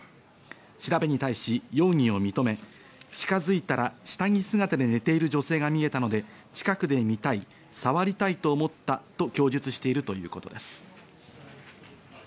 調べに対し容疑を認め、近づいたら下着姿で寝ている女性が見えたので、近くで見たい、触りたいと思ったと供述しているということです。